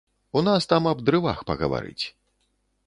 У нас там аб дрывах пагаварыць.